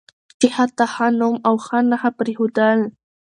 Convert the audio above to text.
چې حتی ښه نوم او ښه نښه پرېښودل